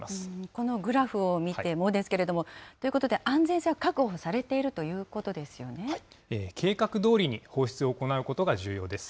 このグラフを見てもですけれども、ということで、安全性は確計画どおりに放出を行うことが重要です。